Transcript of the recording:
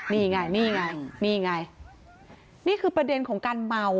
นี่ไงนี่ไงนี่ไงนี่คือประเด็นของการเมา